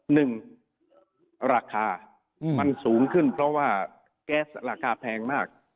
หนึ่งราคามันสูงขึ้นเพราะว่าแก๊สราคาแพงมาก